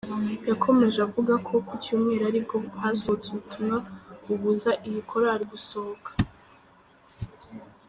Yakomeje avuga ko ku Cyumweru ari bwo hasohotse ubutumwa bubuza iyi Korali gusohoka.